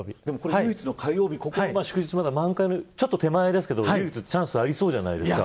唯一火曜日ここの祝日は満開の手前ですけど唯一のチャンスありそうじゃないですか。